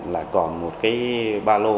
là còn một cái ba lô